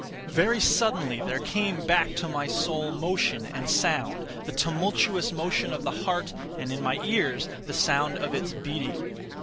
Very suddenly there came back to my soul motion and sound—the tumultuous motion of the heart, and, in my ears, the sound of its beating.